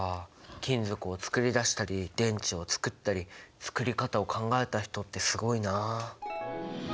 金属を作り出したり電池を作ったり作り方を考えた人ってすごいなあ。